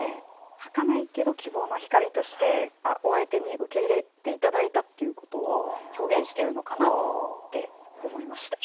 はかないけど希望の光としてお相手に受け入れて頂いたっていうことを表現してるのかなって思いました。